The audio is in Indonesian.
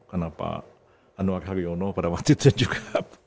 karena pak anwar haryono pada waktu itu juga